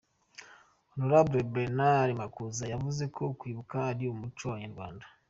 Hon Bernard Makuza yavuze ko kwibuka ari umuco w'abanyarwanda.